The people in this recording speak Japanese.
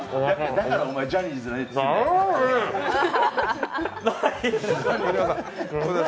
だからお前、ジャニーズじゃねぇって言ってるんだ。